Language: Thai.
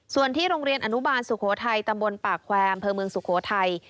ส่วนที่โรงเรียนอนุบาลสุโขทัยตำบลปากแควร์อำเภอเมืองสุโขทัย